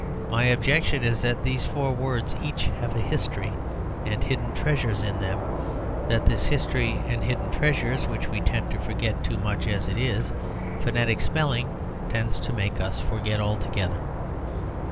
My objection is that these four words have each a history and hidden treasures in them: that this history and hidden treasure (which we tend to forget too much as it is) phonetic spelling tends to make us forget altogether.